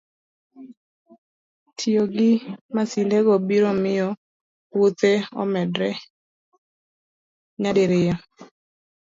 Tiyo gi masindego biro miyo puothe omedre nyadiriyo